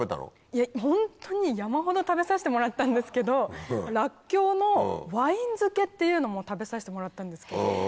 いやホントに山ほど食べさせてもらったんですけどらっきょうのワイン漬けっていうのも食べさせてもらったんですけど。